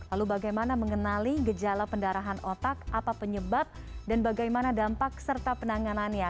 lalu bagaimana mengenali gejala pendarahan otak apa penyebab dan bagaimana dampak serta penanganannya